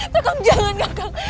kakak jangan kakak